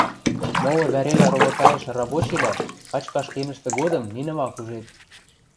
Молы вӓрелӓ ровотайышы рабочийвлӓ качкаш кемӹштӹ годым нинӹм ак ужеп.